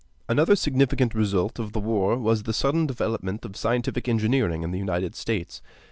Another significant result of the war was the sudden development of scientific engineering in the United States.